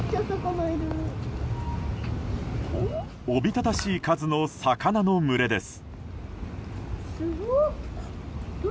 おびただしい数の魚の群れです。